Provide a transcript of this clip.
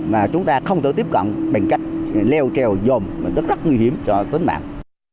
mà chúng ta không thể tiếp cận bằng cách leo treo dồn rất rất nguy hiểm cho tấn mạng